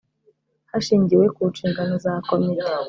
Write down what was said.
hashingiwe ku nshingano za komite